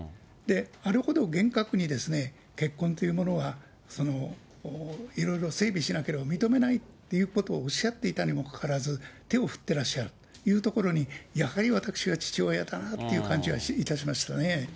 あれほど厳格に結婚というものはいろいろ整備しなければ認めないということをおっしゃっていたにもかかわらず、手を振ってらっしゃるというところに、やはり私は、父親だなという感じはいたしますね。